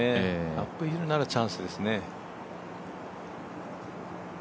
アップヒルならチャンスですね。